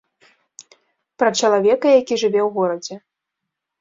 Пра чалавека, які жыве ў горадзе.